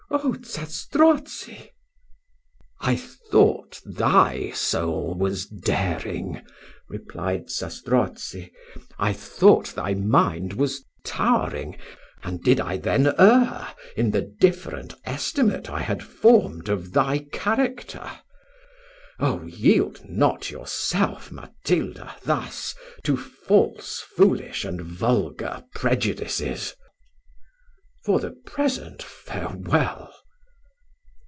Oh Zastrozzi!" "I thought thy soul was daring," replied Zastrozzi, "I thought thy mind was towering; and did I then err, in the different estimate I had formed of thy character? O yield not yourself, Matilda thus to false, foolish, and vulgar prejudices for the present, farewell."